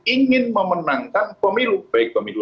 ingin memenangkan pemilu baik pemilu